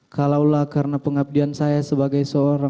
kalaulah karena pengabdian saya sebagai seorang